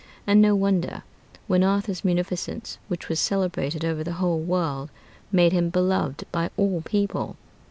And no wonder, when Arthur's munificence, which was celebrated over the whole world, made him beloved by all people.